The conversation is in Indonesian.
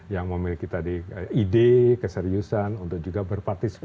yang memiliki tadi ide keseriusan untuk juga berpartisipasi